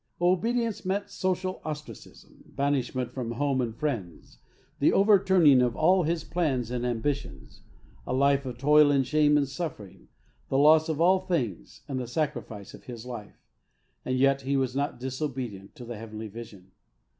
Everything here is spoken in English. *' Obedience meant social ostracism, banishment from home and friends, the overturning of all his plans and ambitions, a life of toil and shame and suffering, the loss of all things and the sacrifice of his life, and yet he was not disobedient to the heavenly vision.